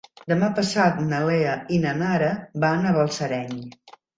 Demà passat na Lea i na Nara van a Balsareny.